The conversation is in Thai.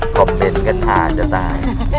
คอมเมนต์กระทาจะตาย